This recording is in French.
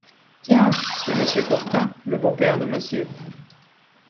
Tiens ! c’est Monsieur Courtin, le beau-père de Monsieur !